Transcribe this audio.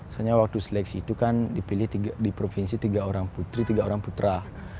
soalnya waktu seleksi itu kan dipilih di provinsi tiga orang putri tiga orang putra